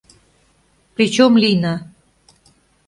Причем лийна?